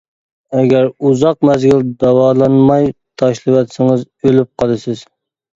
ئەگەر ئۇزاق مەزگىل داۋالانماي تاشلىۋەتسىڭىز ئۆلۈپ قالىسىز.